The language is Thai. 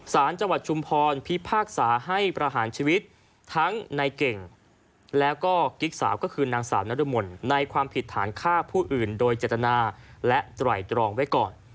สารจังหวัดชุมพรพิพากษาให้ประหารชีวิตทั้งในเก่งแล้วก็กิ๊กสาวก็คือนางสาวนรมนในความผิดฐานฆ่าผู้อื่นโดยเจตนาและไตรตรองไว้ก่อน